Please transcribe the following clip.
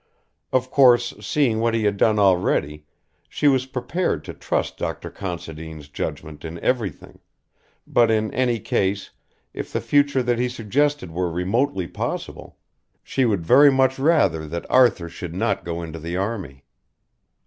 Of course, seeing what he had done already, she was prepared to trust Dr. Considine's judgment in everything; but in any case, if the future that he suggested were remotely possible, she would very much rather that Arthur should not go into the army.